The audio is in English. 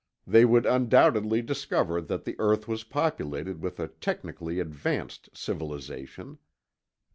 They would undoubtedly discover that the earth was populated with a technically advanced civilization.